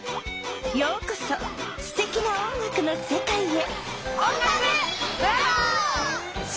ようこそすてきな音楽のせかいへ！